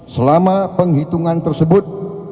selama penghitungan tersebut